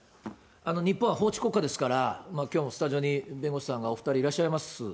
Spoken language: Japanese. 日本は法治国家ですから、きょうもスタジオに弁護士さんがお２人いらっしゃいます。